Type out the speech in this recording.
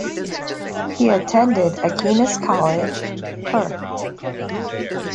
He attended Aquinas College, Perth.